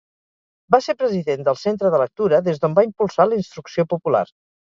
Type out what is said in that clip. Va ser president del Centre de Lectura des d'on va impulsar la instrucció popular.